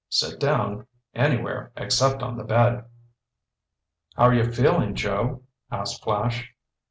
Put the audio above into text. "Sit down—anywhere except on the bed." "How are you feeling, Joe?" asked Flash.